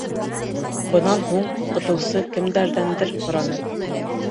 Бынан һуң уҡытыусы кемдәрҙәндер һораны.